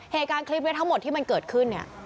เหตุการณ์คลิปนี้ทั้งหมดที่มันเกิดขึ้นเนี่ย